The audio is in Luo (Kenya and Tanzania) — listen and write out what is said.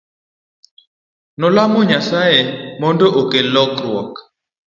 Nolamo Nyasaye mondo okel lokruok.